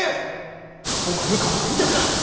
お前の顔とか見たくない！